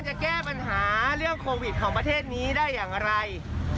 จะแก้ปัญหาเรื่องโควิดของประเทศนี้ได้อย่างไร